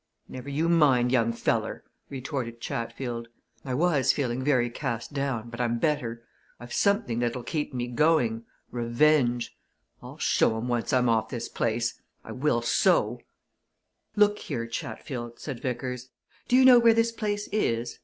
"Never you mind, young feller," retorted Chatfield. "I was feeling very cast down, but I'm better. I've something that'll keep me going revenge! I'll show 'em, once I'm off this place I will so!" "Look here, Chatfield," said Vickers. "Do you know where this place is?